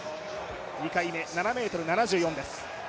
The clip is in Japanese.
２回目、７ｍ７４です。